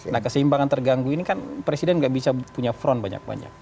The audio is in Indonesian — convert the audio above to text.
nah keseimbangan terganggu ini kan presiden nggak bisa punya front banyak banyak